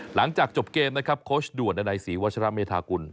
หลังจากจบเกมนะครับโค้ชด่วนดันัยศรีวัชราเมธากุล